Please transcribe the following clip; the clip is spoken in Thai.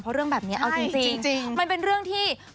เพราะเรื่องแบบนี้เอาจริงเป็นเรื่องที่อ้ายใช่จริง